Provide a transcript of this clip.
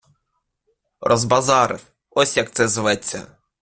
- Розбазарив - ось як це зветься!